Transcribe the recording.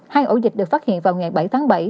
hai ổ dịch được phát hiện vào ngày bảy tháng bảy